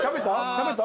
食べた？